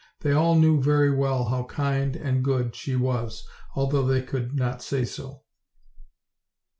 They all knew very well how kind and good she was, although they could not say so.